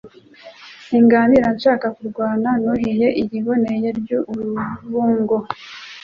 Singanira nshaka kurwana. Nuhiye iliboneye ry'urubungo,